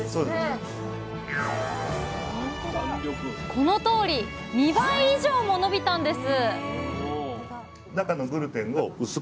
このとおり２倍以上も伸びたんです